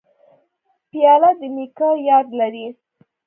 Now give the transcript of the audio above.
پیاله د نیکه یاد لري.